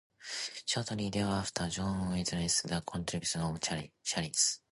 Shortly thereafter, Joan witnesses the coronation of Charles.